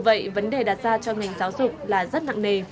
vậy vấn đề đặt ra cho ngành giáo dục là rất nặng nề